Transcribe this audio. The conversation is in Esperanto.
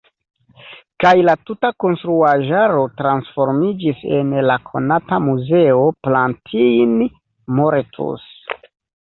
Kaj la tuta konstruaĵaro transformiĝis en la konata Muzeo Plantijn-Moretus.